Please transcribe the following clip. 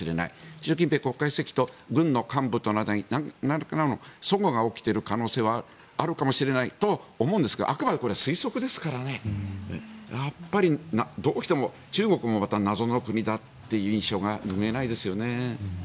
習近平国家主席と軍の幹部との間になんらかの齟齬が起きている可能性はあるかもしれないと思いますがあくまでこれは推測ですからどうしても中国もまた謎の国だという印象が拭えないですよね。